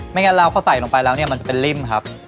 งั้นเราพอใส่ลงไปแล้วเนี่ยมันจะเป็นริ่มครับ